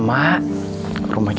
mereka bersemangat di rumah mak